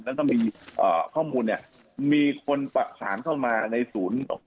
แล้วก็มีข้อมูลมีคนผสานเข้ามาในศูนย์